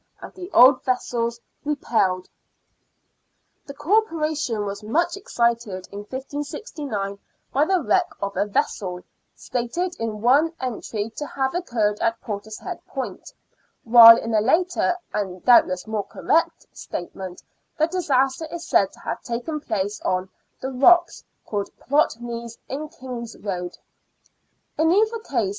And the old vessels repelled." The Corporation was much excited in 1569 by the wreck of a vessel, stated in one entry to have occurred at Portishead Point, while in a later, and doubtless more •correct, statement the disaster is said to have taken place on " the rocks called Plotneys m Kingroad." In either case.